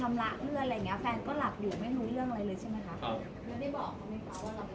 ไม่ได้บอก